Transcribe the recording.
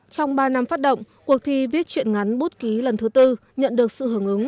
trong ba năm phát động cuộc thi viết chuyện ngắn bút ký lần thứ tư nhận được sự hưởng ứng